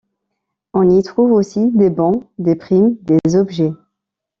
On y trouve aussi des bons, des primes, des objets.